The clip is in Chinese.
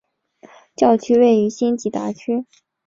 教区位于辛吉达区。